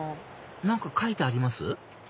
何か書いてあります？